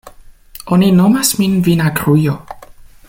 Oni nomas min vinagrujo.